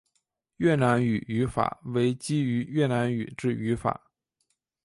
越南语语法为基于越南语之语法。